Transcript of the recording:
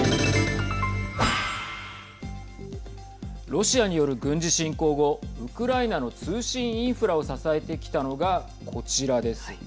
ロシアによる軍事侵攻後ウクライナの通信インフラを支えてきたのがこちらです。